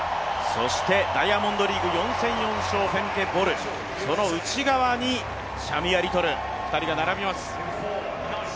そしてダイヤモンドリーグ４戦４勝、フェムケ・ボルシャミア・リトル、２人が並びます。